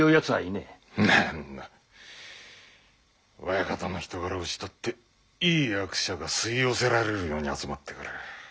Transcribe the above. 親方の人柄を慕っていい役者が吸い寄せられるように集まってくる。